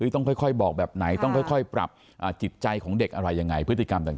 ต้องค่อยบอกแบบไหนต้องค่อยปรับจิตใจของเด็กอะไรยังไงพฤติกรรมต่าง